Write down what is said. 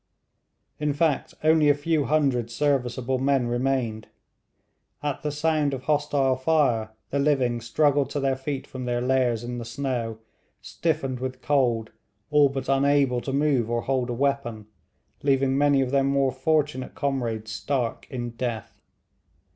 In fact, only a few hundred serviceable men remained. At the sound of hostile fire the living struggled to their feet from their lairs in the snow, stiffened with cold, all but unable to move or hold a weapon, leaving many of their more fortunate comrades stark in death.